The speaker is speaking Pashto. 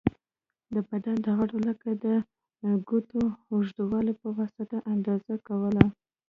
د بدن د غړیو لکه د ګوتو اوږوالی په واسطه اندازه کوله.